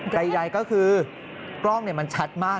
ใกล้ก็คือกล้องนี่แมนชัดมาก